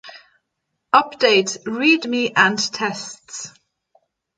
Update readme and tests